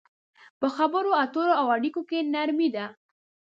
په خبرو اترو او اړيکو کې نرمي ده.